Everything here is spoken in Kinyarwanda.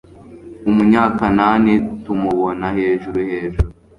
umunyakanani tumubona hejuru hejuru